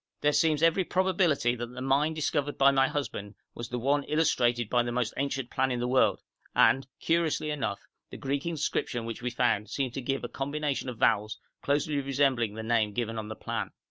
There seems every probability that the mine discovered by my husband was the one illustrated by the most ancient plan in the world, and, curiously enough, the Greek inscription we found seems to give a combination of vowels closely resembling the name given on the plan.